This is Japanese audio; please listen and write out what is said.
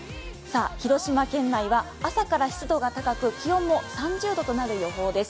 広島県内は朝から湿度が高く、気温も３０度となる予報です。